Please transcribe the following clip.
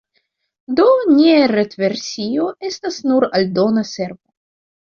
Do nia retversio estas nur aldona servo.